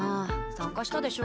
参加したでしょ